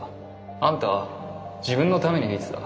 あんたは自分のために弾いてた。